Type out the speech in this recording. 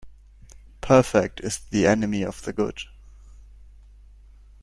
Perfect is the enemy of the good.